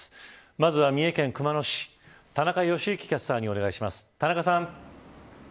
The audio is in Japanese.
まずは三重県熊野市田中良幸キャスターにお願いします。